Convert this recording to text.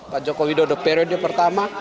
pak jokowi di periode pertama